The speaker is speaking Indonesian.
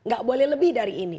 gak boleh lebih dari ini